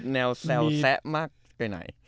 แนวแซวแซะมากไปไหน